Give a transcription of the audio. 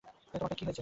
তোমার পায়ে কী হয়েছে?